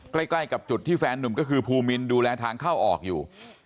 ใกล้กับจุดที่แฟนหนุ่มก็คือภูมินดูแลทางเข้าออกอยู่